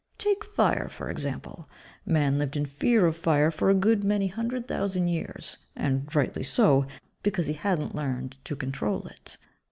Take 'fire' for example: Man lived in fear of fire for a good many hundred thousand years and rightly so, because he hadn't learned to control it.